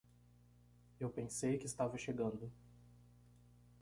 Eu pensei que estava chegando.